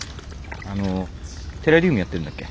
あのテラリウムやってるんだっけ？